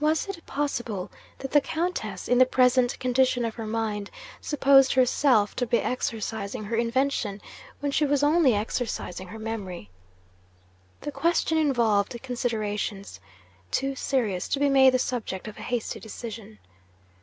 Was it possible that the Countess, in the present condition of her mind, supposed herself to be exercising her invention when she was only exercising her memory? The question involved considerations too serious to be made the subject of a hasty decision.